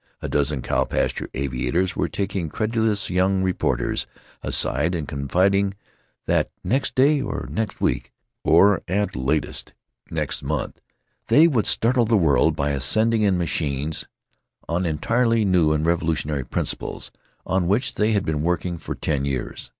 A dozen cow pasture aviators were taking credulous young reporters aside and confiding that next day, or next week, or at latest next month, they would startle the world by ascending in machines "on entirely new and revolutionary principles, on which they had been working for ten years."